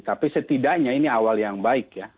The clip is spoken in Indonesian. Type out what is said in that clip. tapi setidaknya ini awal yang baik ya